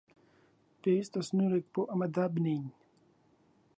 پێویستە سنوورێک بۆ ئەمە دابنێین.